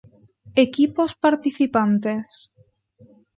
Equipos participantes.